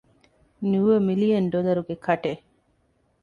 ނުވަ މިލިއަން ޑޮލަރުގެ ކަޓެއް؟